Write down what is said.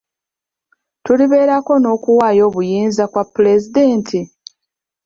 Tulibeerako n'okuwaayo obuyinza kwa pulezidenti?